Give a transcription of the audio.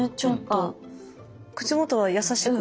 口元は優しく。